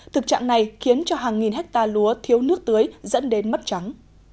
thực trạng này khiến cho hàng nghìn hectare lúa thiếu nước tưới dẫn đến mất trắng